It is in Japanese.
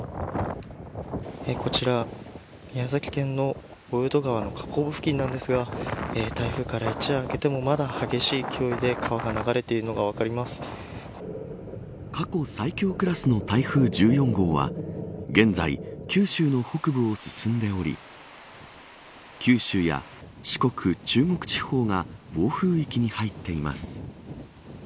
こちら宮崎県の大淀川の河口付近ですが台風から一夜明けてもまだ、激しい勢いで過去最強クラスの台風１４号は現在、九州の北部を進んでおり九州や四国、中国地方が暴風域に入っています。